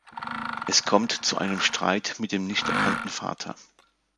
Es kommt zu einem Streit mit dem nicht erkannten Vater.